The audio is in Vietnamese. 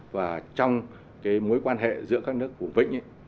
và trong cái mối quan hệ giữa các nước của vĩnh ấy